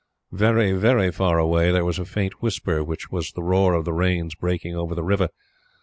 Very, very far away, there was a faint whisper, which was the roar of the Rains breaking over the river.